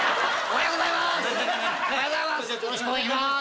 おはようございます。